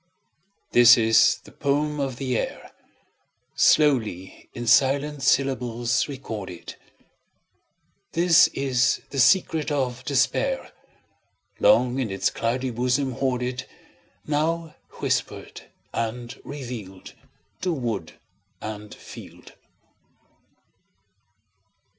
This is the poem of the air, Slowly in silent syllables recorded; This is the secret of despair, Long in its cloudy bosom hoarded, Now whispered and revealed To wood and field.